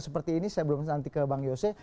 seperti ini saya belum nanti ke bang yose